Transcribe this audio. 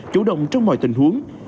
chủ động trong mọi tình huống